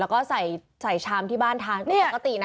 แล้วก็ใส่ใส่ชามที่บ้านทานแต่ปกตินะ